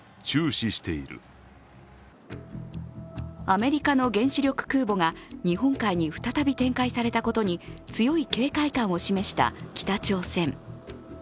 アメリカの原子力空母が日本海に再び展開されたことに強い警戒感を示した北朝鮮。